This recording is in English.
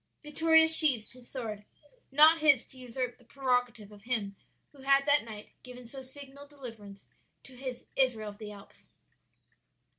"Vittoria sheathed his sword. Not his to usurp the prerogative of Him who had that night given so signal deliverance to His 'Israel of the Alps.'"